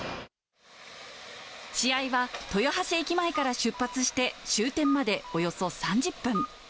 試合は豊橋駅前から出発して終点までおよそ３０分。